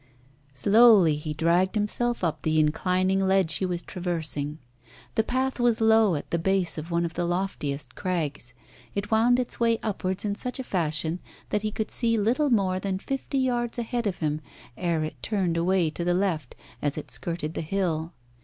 Slowly he dragged himself up the inclining ledge he was traversing. The path was low at the base of one of the loftiest crags. It wound its way upwards in such a fashion that he could see little more than fifty yards ahead of him ere it turned away to the left as it skirted the hill.